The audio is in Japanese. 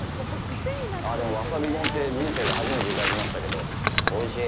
ああ、でもわさび丼って人生で初めていただきましたけど、おいしい。